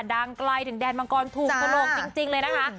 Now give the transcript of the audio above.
ดังไกลถึงแดนมังกรถูกฉลกจริงเลยนะคะ